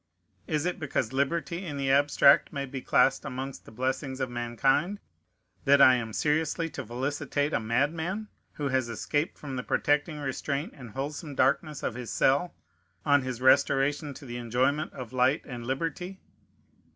Is it because liberty in the abstract may be classed amongst the blessings of mankind, that I am seriously to felicitate a madman who has escaped from the protecting restraint and wholesome darkness of his cell on his restoration to the enjoyment of light and liberty?